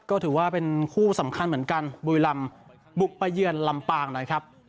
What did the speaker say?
ก็ถือว่าเป็นคู่สำคัญเหมือนกันบุรีรำบุกไปเยือนลำปางนะครับ